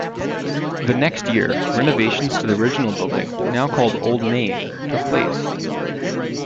The next year, renovations to the original building, now called Old Main, took place.